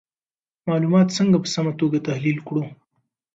معلومات څنګه په سمه توګه تحلیل کړو؟